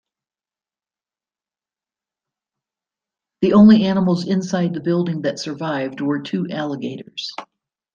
The only animals inside the building that survived were two alligators.